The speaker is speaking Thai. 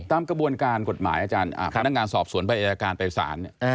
ตามกระบวนการกฎหมายอาจารย์พนักงานสอบสวนไปอายการไปศาล